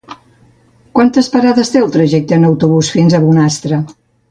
Quantes parades té el trajecte en autobús fins a Bonastre?